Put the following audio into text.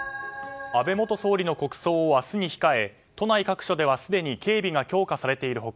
安倍元総理の国葬を明日に控え都内各所ではすでに警備が強化されている他